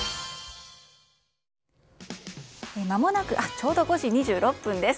ちょうど５時２６分です。